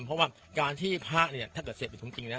เพราะว่าการที่พระเนี่ยถ้าเกิดเสพเป็นถุงจริงแล้ว